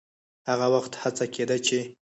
هغه وخت هڅه کېده چې